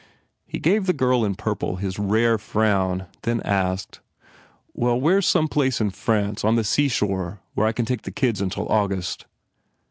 He gave the girl in purple his rare frown then asked, "Well, where s some place in France, on the seashore, where I can take the kids until August?"